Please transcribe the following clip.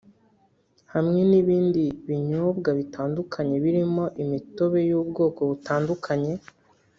hamwe n’ibindi binyobwa bitandukanye birimo imitobe y’ubwoko butandukanye